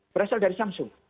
berasal dari samsung